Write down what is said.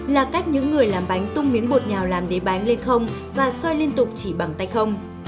là cách những người làm bánh tung miếng bột nhào làm để bánh lên không và xoay liên tục chỉ bằng tay không